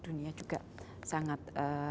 dunia juga sangat